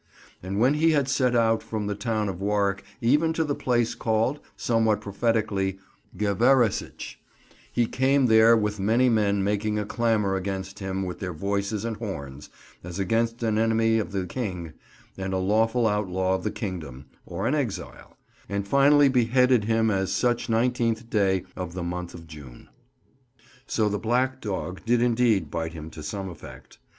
And when he had set out from the town of Warwyk even to the place called, somewhat prophetically, Gaveressich, he came there with many men making a clamor against him with their voices and horns, as against an enemy of the King and a lawful outlaw of the Kingdom, or an exile; and finally beheaded him as such xix day of the month of June." So the "Black Dog" did indeed bite him to some effect.